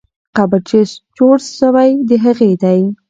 قبر چې جوړ سوی، د هغې دی.